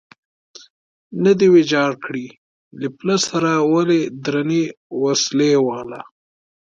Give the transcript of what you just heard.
نه دی ویجاړ کړی، له پله سره ولې درنې وسلې والا.